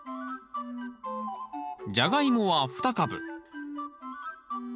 ジャガイモは２株。